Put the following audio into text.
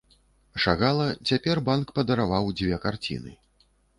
Шагала, цяпер банк падараваў дзве карціны.